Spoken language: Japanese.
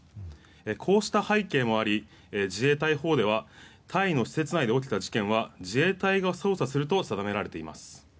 こうした背景もあり自衛隊法では隊の施設内で起きた事件は自衛隊が捜査すると定められています。